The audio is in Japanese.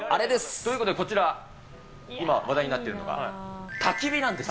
ということで、こちら、今話題になっているのが、たき火なんです。